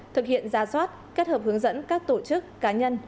thực hiện ra soát kết hợp hướng dẫn các tổ chức cá nhân